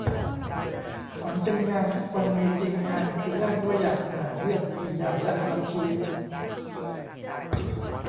ฝันเป็นงานทุกวันมีจริงงาน คือแลกด้วยหงาดเหงื่อ เลือด วิญญาณ และพลังชีวิต